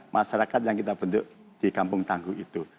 masyarakat yang kita bentuk di kampung tangguh itu